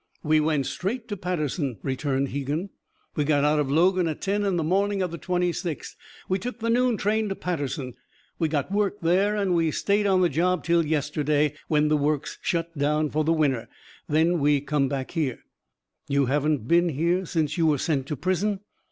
"We went straight to Paterson," returned Hegan. "We got out of Logan at ten, on the morning of the twenty sixth. We took the noon train to Paterson. We got work there and we stayed on the job till yesterday, when the works shut down for the winter. Then we come back here." "You hadn't been here since you were sent to prison?"